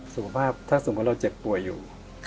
สุขภาพถ้าสมมุติเราเจ็บป่วยอยู่